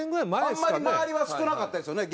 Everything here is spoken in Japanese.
あんまり周りは少なかったですよね